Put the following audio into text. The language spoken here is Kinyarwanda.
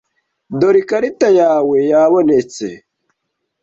Dore ikarita yawe yabonetse.